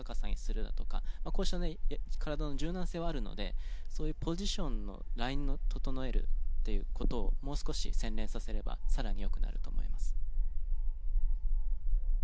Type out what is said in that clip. こうしたね体の柔軟性はあるのでそういうポジションのラインを整えるっていう事をもう少し洗練させれば更に良くなると思います。